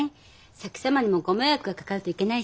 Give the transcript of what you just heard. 先様にもご迷惑がかかるといけないしね。